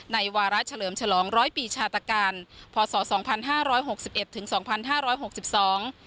วาระเฉลิมฉลองร้อยปีชาตการพศสองพันห้าร้อยหกสิบเอ็ดถึงสองพันห้าร้อยหกสิบสอง